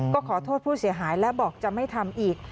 ก็ขอโทษผู้เสียหายและบอกจะไม่ทำอีก